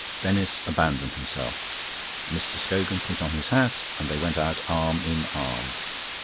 Denis abandoned himself; Mr. Scogan put on his hat and they went out arm in arm.